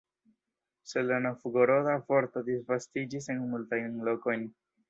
Sed la novgoroda vorto disvastiĝis en multajn lokojn.